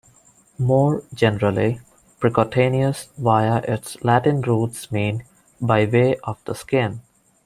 More generally, "percutaneous", via its Latin roots means, 'by way of the skin'.